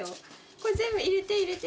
これ全部入れて入れて。